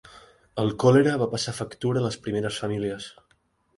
El còlera va passar factura a les primeres famílies.